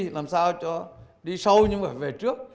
làm sao cho đi sâu nhưng mà về trước